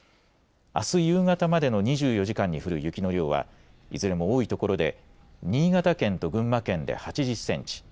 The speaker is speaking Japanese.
あす夕方までの２４時間に降る雪の量はいずれも多い所で新潟県と群馬県で８０センチ